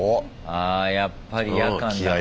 あやっぱり夜間だから。